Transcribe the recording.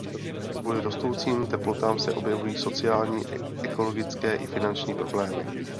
Kvůli rostoucím teplotám se objevují sociální, ekologické i finanční problémy.